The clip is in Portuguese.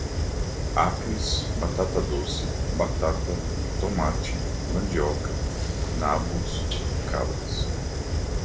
acres, batata-doce, batata, tomate, mandioca, nabos, cabras